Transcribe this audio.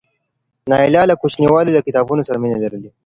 نایله له کوچنیوالي له کتابونو سره مینه لرله.